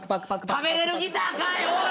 食べれるギターかい！